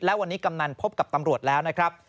และวันนี้กำนันพบกับตำรวจแล้วนะครับ